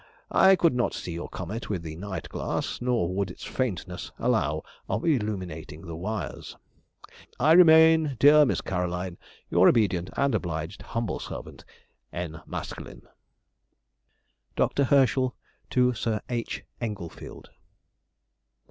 I could not see your comet with the night glass, nor would its faintness allow of illuminating the wires. I remain, dear Miss Caroline, Your obedient and obliged humble servant, N. MASKELYNE. DR. HERSCHEL TO SIR H. ENGLEFIELD.